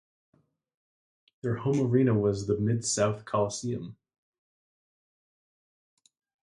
Their home arena was the Mid-South Coliseum.